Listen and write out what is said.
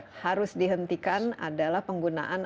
jadi berarti harus dihentikan adalah penggunaan air tanah